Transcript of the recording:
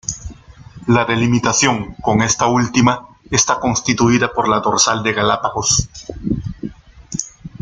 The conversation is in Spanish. La delimitación con esta última está constituida por la dorsal de Galápagos.